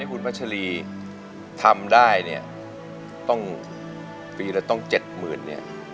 คุณพระชรีทำได้เนี่ยต้องปีละต้องเจ็ดหมื่นเนี่ย